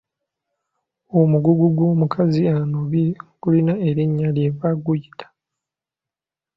Omugugu gw’omukazi anobye gulina erinnya lye baguyita.